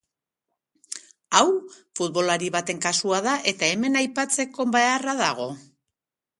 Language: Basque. Hau futbolari baten kasua da eta hemen aipatzeko beharra dago.